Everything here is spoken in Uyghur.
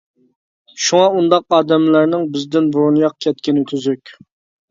شۇڭا ئۇنداق ئادەملەرنىڭ بىزدىن بۇرۇنراق كەتكىنى تۈزۈك.